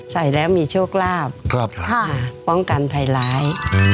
ใส่แล้วมีโชคลาภป้องกันภัยร้าย